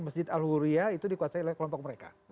masjid al huria itu dikuasai oleh kelompok mereka